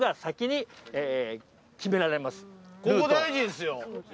ここ大事ですよ。